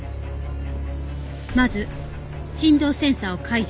まず振動センサーを解除。